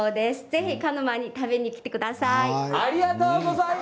ぜひ鹿沼に食べに来てください。